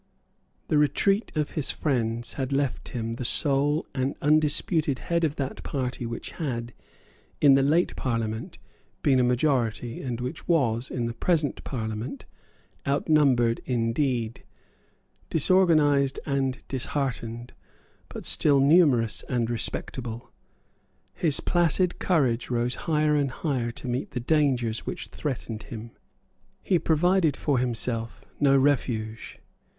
The retreat of his friends had left him the sole and undisputed head of that party which had, in the late Parliament, been a majority, and which was, in the present Parliament, outnumbered indeed, disorganised and disheartened, but still numerous and respectable. His placid courage rose higher and higher to meet the dangers which threatened him. He provided for himself no refuge.